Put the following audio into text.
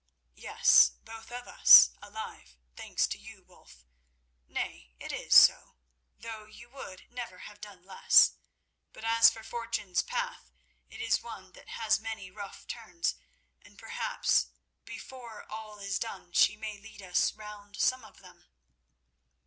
"Yes, both of us alive, thanks to you, Wulf—nay, it is so, though you would never have done less. But as for Fortune's path, it is one that has many rough turns, and perhaps before all is done she may lead us round some of them."